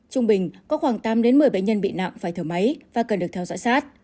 trung bình có khoảng tám một mươi bệnh nhân bị nặng phải thở máy và cần được theo dõi sát